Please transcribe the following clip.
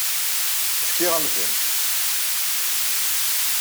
Fkiɣ-am-tent.